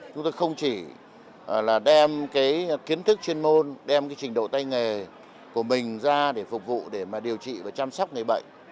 chúng tôi không chỉ là đem cái kiến thức chuyên môn đem cái trình độ tay nghề của mình ra để phục vụ để mà điều trị và chăm sóc người bệnh